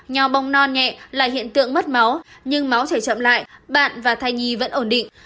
nho bông non nhẹ là hiện tượng mất máu nhưng máu chảy chậm lại bạn và thai nhi vẫn ổn định